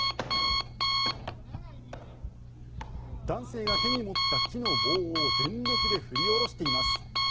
男性が手に持った木の棒を全力で振り下ろしています。